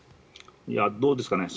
どうですかね。